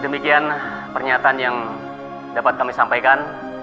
demikian pernyataan yang dapat kami sampaikan